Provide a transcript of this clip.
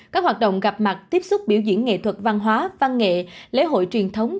các hoạt động gặp mặt tiếp xúc biểu diễn nghệ thuật văn hóa văn nghệ lễ hội truyền thống